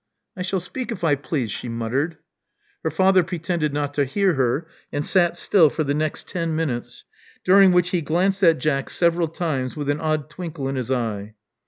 "I shall speak if I please," she muttered. Her father pretended not to hear her, and sat still for the next ten minutes, during which he glanced at Jack several times, with an odd twinkle in his eye.